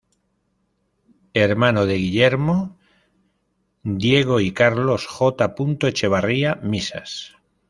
Hermano de Guillermo, Diego y Carlos J. Echavarría Misas.